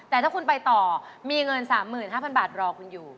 แต่ถ้าคุณไปต่อมีเงิน๓๕๐๐บาทรอคุณอยู่